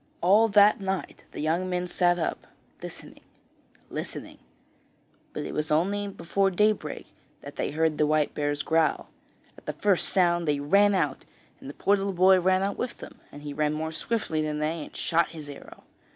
All that night the young men sat up, listening, listening; but it was only before daybreak that they heard the white bear's growl. At the first sound they ran out, and the poor little boy ran out with them, and he ran more swiftly than they and shot his arrow.